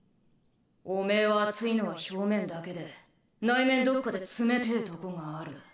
おめえは熱いのは表面だけで内面どっかで冷てえとこがある。